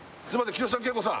清さん桂子さん